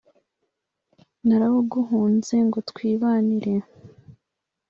narawuguhunze ngo twibanire